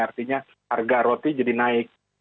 artinya harga roti jadi naik